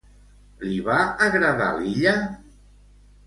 Li va agradar l'illa?